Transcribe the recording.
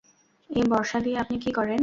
এ বর্শা দিয়ে আপনি কী করেন?